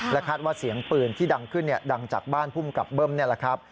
คาดว่าเสียงปืนที่ดังขึ้นดังจากบ้านภูมิกับเบิ้มนี่แหละครับ